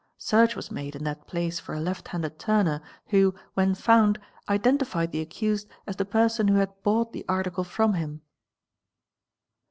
Search as made in that place for a left handed turner, who, when found, lentified the accused as the person who had bought the article from m.